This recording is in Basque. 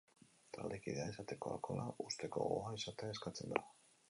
Taldekidea izateko alkohola uzteko gogoa izatea eskatzen da.